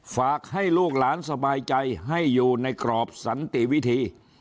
ฝากให้ลูกหลานสบายใจให้อยู่ในกรอบสันติวิธี